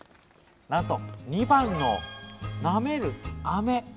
なんと２番のなめるあめ。